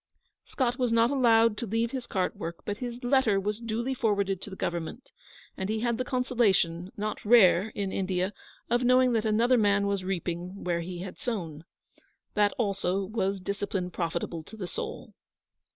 Scott was not allowed to leave his cart work, but his letter was duly forwarded to the Government, and he had the consolation, not rare in India, of knowing that another man was reaping where he had sown. That also was discipline profitable to the soul.